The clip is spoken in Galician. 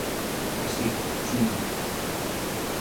Así, resumindo.